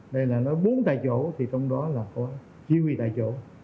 nên là nói bốn tại chỗ thì trong đó là có chỉ huy tại chỗ